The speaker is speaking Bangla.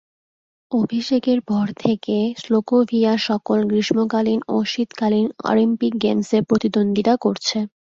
অভিষেকের পর থেকে স্লোভাকিয়া সকল গ্রীষ্মকালীন ও শীতকালীন অলিম্পিক গেমসে প্রতিদ্বন্দ্বিতা করেছে।